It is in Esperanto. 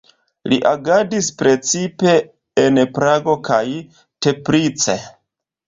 Li agadis precipe en Prago kaj Teplice.